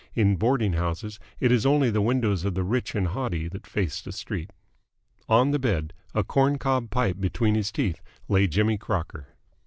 In boarding houses, it is only the windows of the rich and haughty that face the street. On the bed, a corn cob pipe between his teeth, lay Jimmy Crocker.